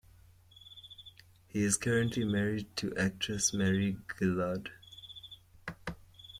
He is currently married to actress Marie Guillard.